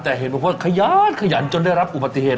แต่เห็นเพราะว่าค่ายท์ค่ายท์จนได้รับอุปัติเหตุ